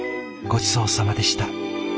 ごちそうさまでした。